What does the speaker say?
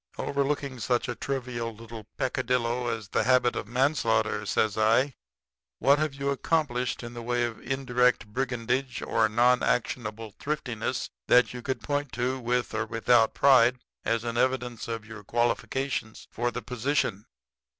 "'Overlooking such a trivial little peccadillo as the habit of manslaughter,' says I, 'what have you accomplished in the way of indirect brigandage or nonactionable thriftiness that you could point to, with or without pride, as an evidence of your qualifications for the position?'